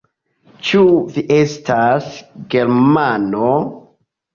Ĉu vi estas germano?